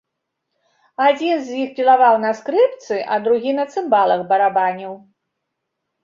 Адзін з іх пілаваў на скрыпцы, а другі на цымбалах барабаніў.